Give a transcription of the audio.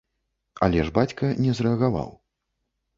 Але ж бацька не зрэагаваў.